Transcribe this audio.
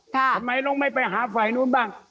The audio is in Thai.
ทำไมน้องไม่ไปหาฝ่ายนู้นบ้าง